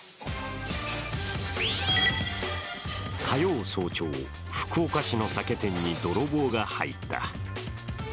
火曜早朝、福岡市の酒店に泥棒が入った。